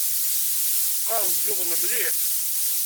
Qqaren-d yuḍen mliḥ.